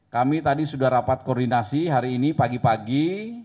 kami tadi sudah rapat koordinasi hari ini pagi pagi